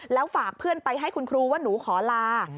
แล้วฝากเพื่อนไปให้คุณครูว่าหนูขอลา